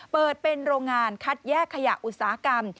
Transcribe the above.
เปิดเป็นโรงงานคัดแยกขยะอุตสาหกรรม